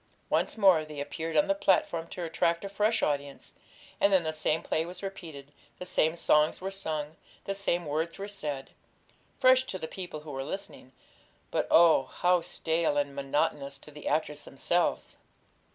Once more they appeared on the platform to attract a fresh audience, and then the same play was repeated, the same songs were sung, the same words were said; fresh to the people who were listening, but oh, how stale and monotonous to the actors themselves!